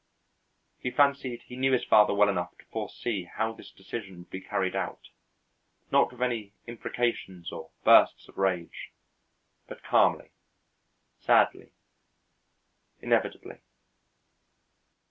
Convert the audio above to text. He fancied he knew his father well enough to foresee how this decision would be carried out, not with any imprecations or bursts of rage, but calmly, sadly, inevitably.